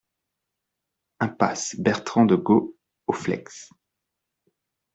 Impasse Bertrand de Goth au Fleix